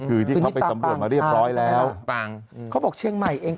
คือที่เขาไปสำรวจมาเรียบร้อยแล้วต่างเขาบอกเชียงใหม่เอง